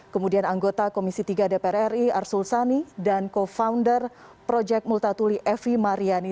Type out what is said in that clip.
kemudian anggota komisi tiga dpr ri arsul sani dan co founder projek multatuli evi mariani